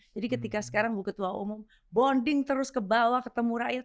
jadi ketika sekarang buketua umum bonding terus ke bawah ketemu rakyat